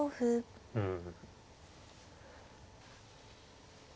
うん。